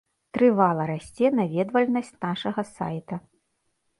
Трывала расце наведвальнасць нашага сайта.